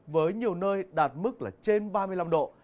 với nhiều nơi đạt mức là trên ba mươi năm độ